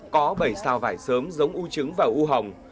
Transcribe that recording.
có bảy sao vải sớm giống u trứng và u hồng